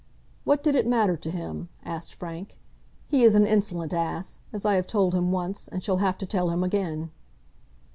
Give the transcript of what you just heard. "What did it matter to him?" asked Frank. "He is an insolent ass, as I have told him once, and shall have to tell him again."